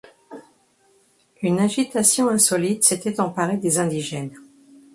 Une agitation insolite s’était emparée des indigènes.